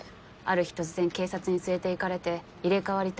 ある日突然警察に連れていかれて入れ代わり